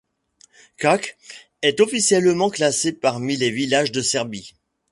Kać est officiellement classé parmi les villages de Serbie.